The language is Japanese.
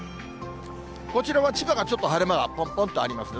こちらは千葉がちょっと晴れ間がぽんぽんとありますね。